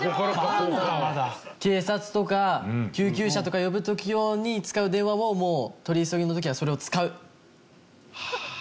警察とか救急車とか呼ぶ時用に使う電話はもう取り急ぎの時はそれを使う。